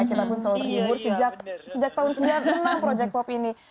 kita pun selalu terhibur sejak tahun seribu sembilan ratus sembilan puluh enam project pop ini